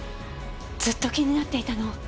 ずっと気になっていたの。